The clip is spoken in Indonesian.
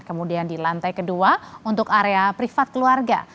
kemudian di lantai kedua untuk area privat keluarga